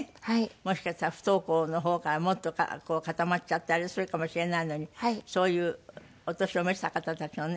もしかしたら不登校の方からもっと固まっちゃってあれするかもしれないのにそういうお年を召した方たちのね